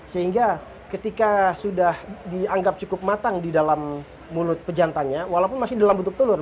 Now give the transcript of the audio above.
sehingga ketika sudah dianggap cukup matang di dalam mulut pejantannya walaupun masih dalam bentuk telur